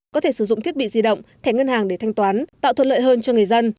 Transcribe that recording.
có thể sử dụng thiết bị di động thẻ ngân hàng để thanh toán tạo thuận lợi hơn cho người dân